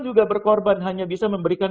juga berkorban hanya bisa memberikan